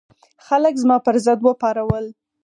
خلک زما پر ضد وپارول.